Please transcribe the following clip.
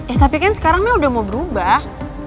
eh tapi kan sekarang ini udah mau berubah